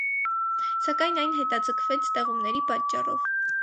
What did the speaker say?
Սակայն այն հետաձգվեց տեղումների պատճառով։